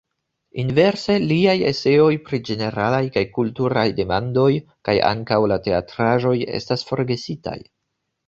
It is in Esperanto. Inverse liaj eseoj pri ĝeneralaj kaj kulturaj demandoj kaj ankaŭ la teatraĵoj estas forgesitaj.